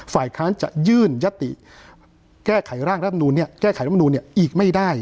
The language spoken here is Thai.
ฝ่ายค้านจะยื่นยตติแก้ไขร่างร่ำนูนเนี่ยแก้ไขร่างร่ำนูนเนี่ยอีกไม่ได้